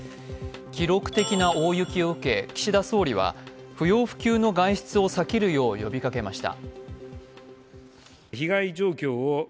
記録的な大雪を受け、岸田総理は不要不急の外出を避けるよう呼びかけました。